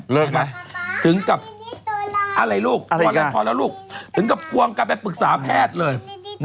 เลิกกันไหมอะไรลูกพอแล้วลูกถึงกับกวนกันไปปรึกษาแพทย์เลย